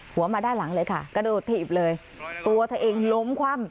หัวมาด้านหลังเลยค่ะกระโดดถีบเลยตัวเธอเองล้มคว่ำ